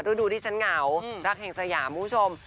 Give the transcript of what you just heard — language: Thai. รูดูดิฉันเหงารักแห่งสยามมุมชม